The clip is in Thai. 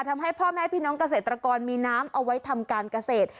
ทำให้พ่อแม่พี่น้องเกษตรกรมีน้ำเอาไว้ทำการเกษตร